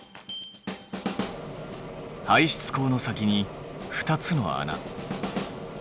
排出口の先に２つの穴。